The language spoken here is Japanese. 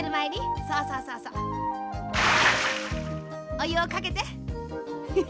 おゆをかけて。